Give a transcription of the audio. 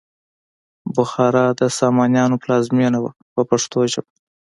بخارا د سامانیانو پلازمینه وه په پښتو ژبه.